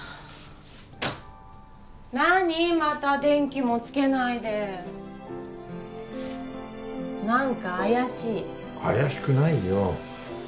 何また電気もつけないで何か怪しい怪しくないよ